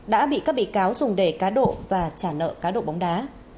đã bị các bị cáo dùng để cá độ và trả nợ cá độ bóng đá